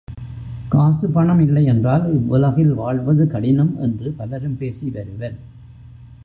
காசு பணம் இல்லையென்றால் இவ்வுலகில் வாழ்வது கடினம் என்று பலரும் பேசி வருவர்.